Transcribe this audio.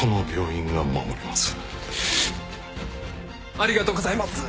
ありがとうございます！